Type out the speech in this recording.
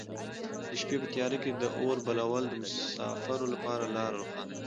د شپې په تیاره کې د اور بلول د مساپرو لپاره لاره روښانوي.